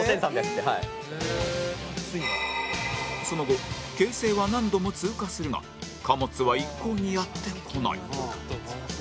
その後京成は何度も通過するが貨物は一向にやって来ない